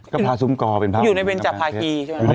ก็พาซุ้มกอเป็นพระอยู่ในเวรจากภาคีใช่ไหม